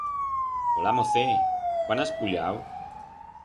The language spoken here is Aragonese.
Ola mocet! Cuán has puyau?